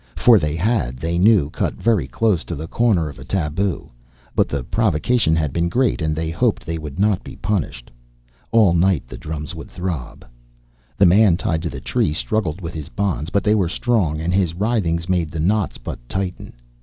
For they had, they knew, cut very close to the corner of a tabu but the provocation had been great and they hoped they would not be punished. All night the drums would throb. The man tied to the tree struggled with his bonds, but they were strong and his writhings made the knots but tighten.